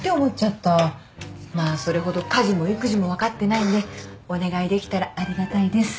まあそれほど家事も育児も分かってないんでお願いできたらありがたいです。